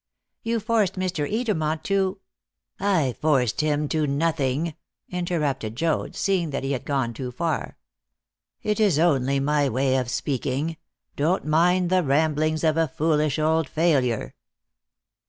"You forced Mr. Edermont to ?" "I forced him to nothing," interrupted Joad, seeing that he had gone too far. "It is only my way of speaking. Don't mind the ramblings of a foolish old failure."